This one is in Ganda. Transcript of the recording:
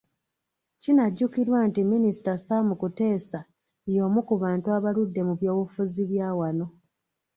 Kinajjukirwa nti Minisita Sam Kuteesa y'omu ku bantu abaludde mu byobufuzi bya wano.